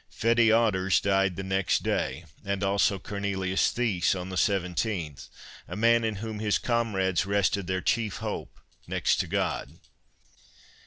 Fettje Otters died next day, and also Cornelius Thysse on the 17th, a man in whom his comrades rested their chief hope next to God.